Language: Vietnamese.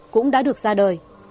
cũng đã được ra đời